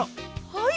はい！